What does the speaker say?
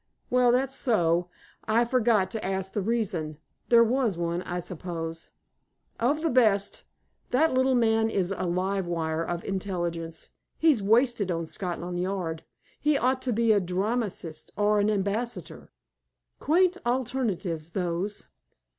"Well, that's so. I forgot to ask the reason. There was one, I suppose." "Of the best. That little man is a live wire of intelligence. He's wasted on Scotland Yard. He ought to be a dramatist or an ambassador." "Quaint alternatives, those."